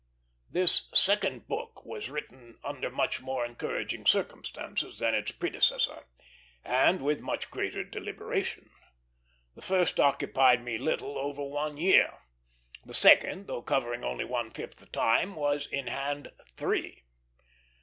This second book was written under much more encouraging circumstances than its predecessor, and with much greater deliberation. The first occupied me little over one year; the second, though covering only one fifth the time, was in hand three.